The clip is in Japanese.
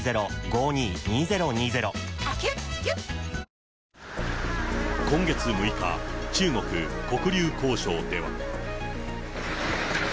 一方、今月６日、中国・黒龍江省では。